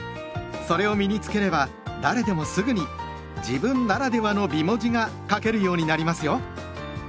それを身に付ければ誰でもすぐに「自分ならではの美文字」が書けるようになりますよ。